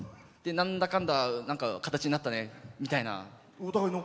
なんだかんだ形になったねみたいな。